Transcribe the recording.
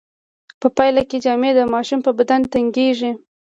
په پایله کې جامې د ماشوم په بدن تنګیږي.